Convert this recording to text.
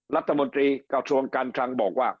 รัฐมนตรีกระทรวงการคลังบอกว่า